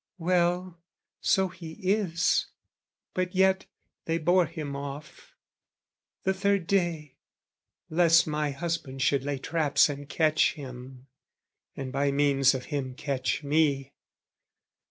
Well, so he is, but yet they bore him off, The third day, lest my husband should lay traps And catch him, and by means of him catch me.